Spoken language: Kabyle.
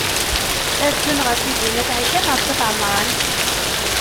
Ad ddun ɣer Tizi n at Ɛica neɣ s at Ɛemṛan?